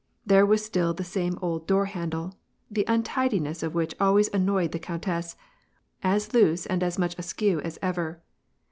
There was still the same old door handle, the untidi ness of which always annoyed the countess, as loose and as much askew as ever.